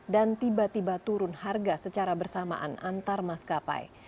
dan tiba tiba turun harga secara bersamaan antar maskapai